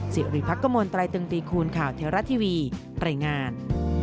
สิริพักกมลตรายตึงตีคูณข่าวเทวรัฐทีวีรายงาน